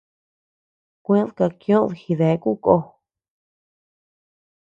Kued kakioʼöd jideku ko.